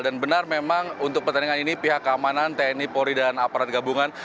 dan benar memang untuk pertandingan ini pihak keamanan tni polri dan aparat gabungan